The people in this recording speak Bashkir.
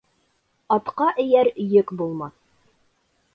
Атҡа эйәр йөк булмаҫ.